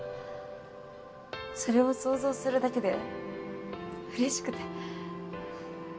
それを想像するだけで嬉しくて。